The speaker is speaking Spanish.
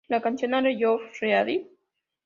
La canción "Are you ready?